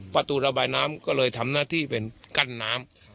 ประตูระบายน้ำก็เลยทำหน้าที่เป็นกั้นน้ำ